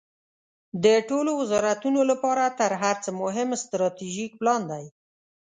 د ټولو وزارتونو لپاره تر هر څه مهم استراتیژیک پلان ده.